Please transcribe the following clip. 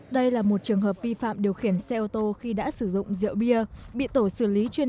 đây là một trường hợp vi phạm điều khiển xe ô tô khi đã sử dụng rượu bia bị tổ xử lý chuyên